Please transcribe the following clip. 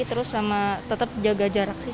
terus sama tetap jaga jarak sih